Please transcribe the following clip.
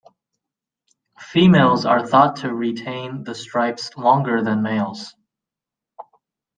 Females are thought to retain the stripes longer than males.